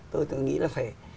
tôi nghĩ là phải